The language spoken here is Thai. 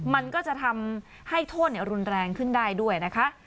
มันก็จะทำให้โทษรุนแรงขึ้นได้ด้วยนะคะ